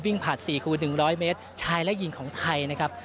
วิ่งผลัดสี่คู่หนึ่งร้อยเมตรชายและหญิงของไทยนะครับ